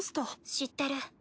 知ってる。